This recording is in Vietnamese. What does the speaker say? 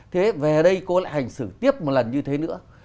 thế về ở đây cô lại hành xử tiếp một lần như thế nữa